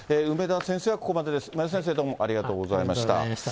梅田先生はここまでです、梅田先生、どうもありがとうございました。